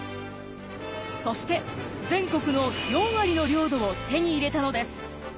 そして全国の４割の領土を手に入れたのです。